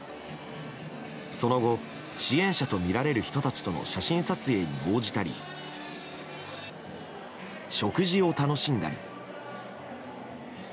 その後支援者とみられる人たちとの写真撮影に応じたり食事を楽しんだり。